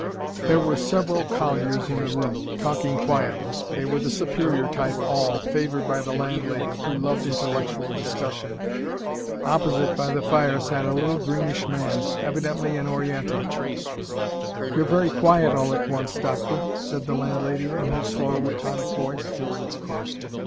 There were several colliers in the room, talking quietly. They were the superior type all, favoured by the landlady, who loved intellectual discussion. Opposite, by the fire, sat a little, greenish man evidently an oriental. "You're very quiet all at once, Doctor," said the landlady in her slow, laconic voice.